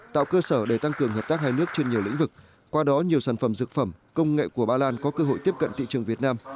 tạo cơ sở để tăng cường hợp tác hai nước trên nhiều lĩnh vực qua đó nhiều sản phẩm dược phẩm công nghệ của ba lan có cơ hội tiếp cận thị trường việt nam